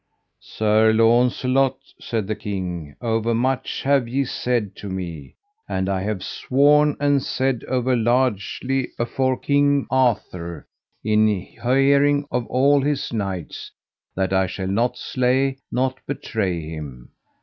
Sir Launcelot, said the king, overmuch have ye said to me, and I have sworn and said over largely afore King Arthur in hearing of all his knights, that I shall not slay nor betray him.